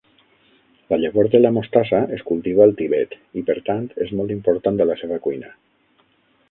La llavor de la mostassa es cultiva al Tibet i, per tant, és molt important a la seva cuina.